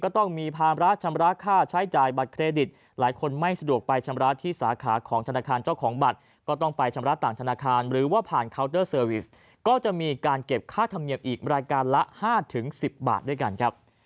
ก็จะมีการเก็บค่าธรรมเนียมอีกรายการละ๕๑๐บาทด้วยกันครับ